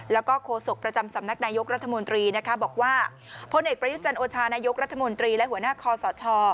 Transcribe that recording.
แล้วก็โฆษกประจำสำนักนายกรัฐมนตรีนะคะบอกว่าพลเอกประยุจันโอชานายกรัฐมนตรีและหัวหน้าคอสช